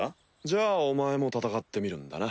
じゃあお前も戦ってみるんだな。